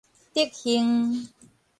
德行